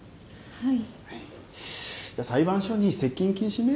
はい。